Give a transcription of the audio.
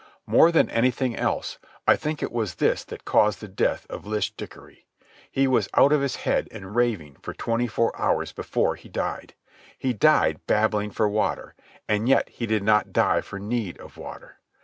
More than anything else, I think it was this that caused the death of Lish Dickery. He was out of his head and raving for twenty four hours before he died. He died babbling for water, and yet he did not die for need of water.